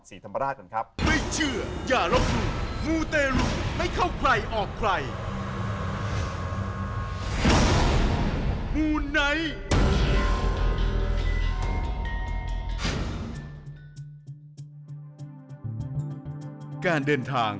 ศรีธรรมราชนะครับ